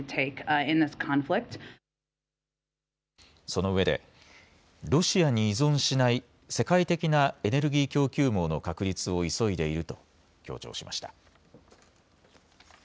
そのうえでロシアに依存しない世界的なエネルギー供給網の確立を急いでいると強調しました。